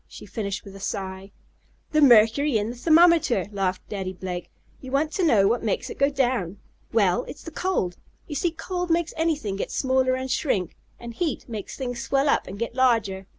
she finished with a sigh. "The mercury in the thermometer!" laughed Daddy Blake. "You want to know what makes it go down? Well, it's the cold. You see cold makes anything get smaller and shrink, and heat makes things swell up, and get larger.